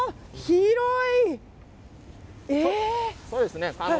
広い！